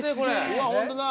うわホントだ！